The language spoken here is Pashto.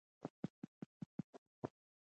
• ماشوم د مور غېږې ته ننوت او آرام کښېناست.